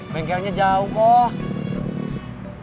bengkelnya jauh kok